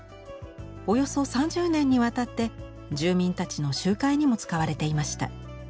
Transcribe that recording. およそ３０年にわたって住民たちの集会にも使われていました。